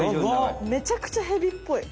めちゃくちゃヘビっぽい。